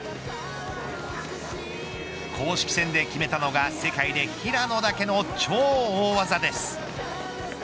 公式戦で決めたのが世界で平野だけの超大技です。